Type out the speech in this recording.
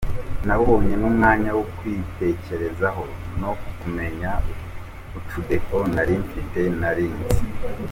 nabonye n’umwanya wo kwitekerezaho no kumenya utudefo narimfite ntarinzi".